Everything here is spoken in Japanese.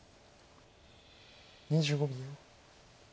２５秒。